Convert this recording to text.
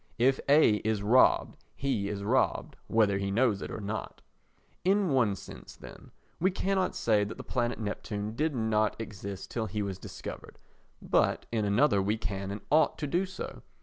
If A is robbed, he is robbed, whether he knows it or not. In one sense, then, we cannot say that the planet Neptune did not exist till he was discovered, but in another we can and ought to do so.